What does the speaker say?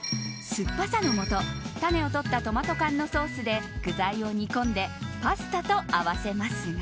酸っぱさのもと種を取ったトマト缶のソースで具材を煮込んでパスタと合わせますが。